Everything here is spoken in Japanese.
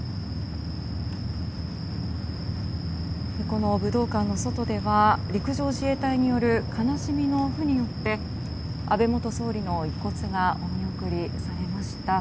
この武道館の外では陸上自衛隊による「悲しみの譜」によって安倍元総理の遺骨がお見送りされました。